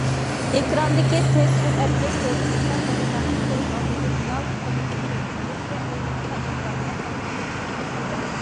ئېكراندىكى تېز سۈرئەتلىك كۆرۈنۈشلەر بالىلارنىڭ كۆز ئالدىدىن‹‹ يالت›› قىلىپ ئۆتۈپ كەتكەچكە، ئويلىنىشقا ئىمكانىيەت قالمايدىكەن.